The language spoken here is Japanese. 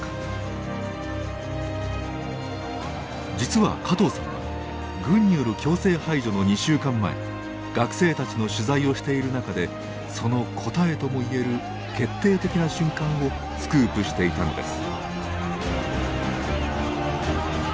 実は加藤さんは軍による強制排除の２週間前学生たちの取材をしている中でその答えとも言える決定的な瞬間をスクープしていたのです。